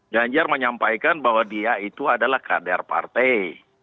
ganjar menyampaikan bahwa dia itu adalah kader partai